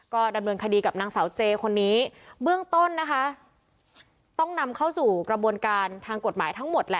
ก็ดำเนินคดีกับนางสาวเจคนนี้เบื้องต้นนะคะต้องนำเข้าสู่กระบวนการทางกฎหมายทั้งหมดแหละ